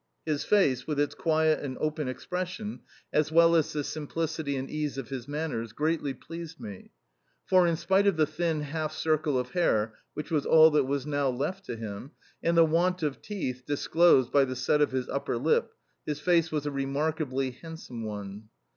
His face, with its quiet and open expression, as well as the simplicity and ease of his manners, greatly pleased me, for, in spite of the thin half circle of hair which was all that was now left to him, and the want of teeth disclosed by the set of his upper lip, his face was a remarkably handsome one.